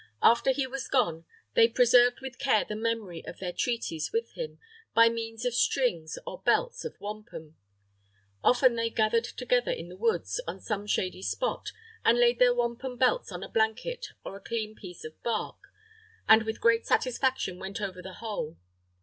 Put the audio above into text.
After he was gone, they preserved with care the memory of their treaties with him, by means of strings or belts of wampum. Often they gathered together in the woods, on some shady spot, and laid their wampum belts on a blanket or a clean piece of bark, and with great satisfaction went over the whole.